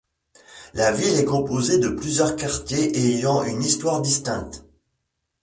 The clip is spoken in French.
La ville est composée de plusieurs quartiers ayant une histoire distincte.